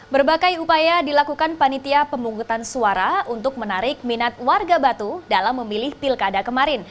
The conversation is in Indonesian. berbagai upaya dilakukan panitia pemungutan suara untuk menarik minat warga batu dalam memilih pilkada kemarin